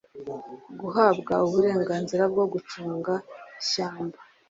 guhabwa uburenganzira bwo gucunga ishyamba